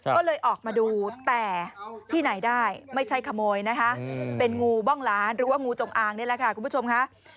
ก็เลยออกมาดูแต่ที่ไหนได้ไม่ใช่ขโมยนะคะเป็นงูบ้องล้านหรือว่างูจงอางนี่แหละค่ะคุณผู้ชมค่ะ